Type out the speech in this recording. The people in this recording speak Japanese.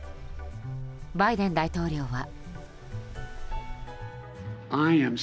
バイデン大統領は。